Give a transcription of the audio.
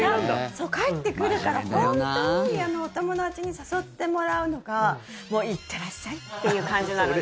そう、帰ってくるから本当にお友達に誘ってもらうのがもういってらっしゃいっていう感じなので。